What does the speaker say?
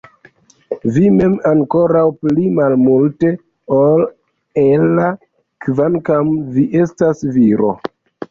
Vi mem ankoraŭ pli malmulte ol Ella kvankam vi estas viro!